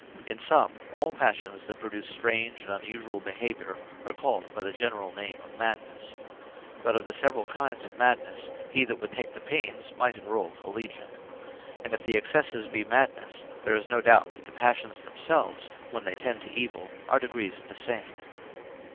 In summe, all Passions that produce strange and unusuall behaviour, are called by the generall name of Madnesse. But of the severall kinds of Madnesse, he that would take the paines, might enrowle a legion. And if the Excesses be madnesse, there is no doubt but the Passions themselves, when they tend to Evill, are degrees of the same.